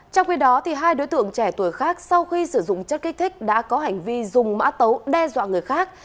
trong khi đó hai đối tượng trẻ tuổi khác sau khi sử dụng chất kích thích đã có hành vi dùng mã tấu đe dọa người khác